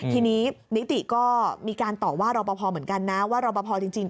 ทีนี้นิติก็มีการตอบว่ารอปภเหมือนกันนะว่ารอปภจริง